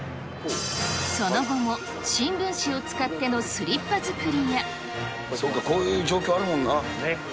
その後も、新聞紙を使ってのそうか、こういう状況あるもんな。